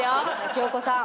京子さん